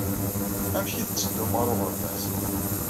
Amek ay tetteddum ɣer uɣerbaz?